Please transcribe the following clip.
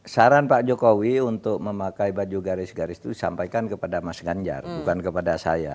saran pak jokowi untuk memakai baju garis garis itu disampaikan kepada mas ganjar bukan kepada saya